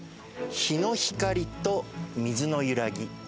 日の光と水の揺らぎ。